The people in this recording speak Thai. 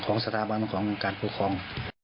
ของสถาบันของการปกครอง